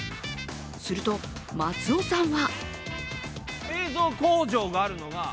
すると、松尾さんは。